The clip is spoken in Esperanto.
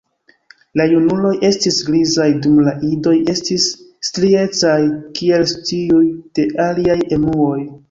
La junuloj estis grizaj, dum la idoj estis striecaj kiel tiuj de aliaj emuoj.